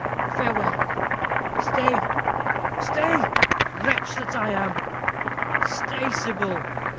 Farewell!" "Stay, stay! wretch that I am. Stay, Sybil!